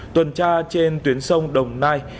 tuần tra trên tuyến sông đồng nai